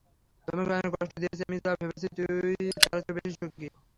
তোমাকে অনেক কষ্ট দিয়েছি আমি যা ভেবেছি, তুই তার চেয়েও বেশি সুখী।